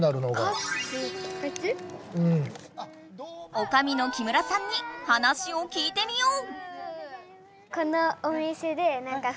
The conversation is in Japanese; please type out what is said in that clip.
おかみの木村さんに話を聞いてみよう！